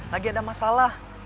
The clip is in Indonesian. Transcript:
lagi ada masalah